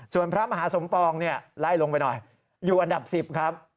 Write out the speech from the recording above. ส่วนพระมหาสมปองเนี่ยไล่ลงไปหน่อยอยู่อันดับ๑๐ครับ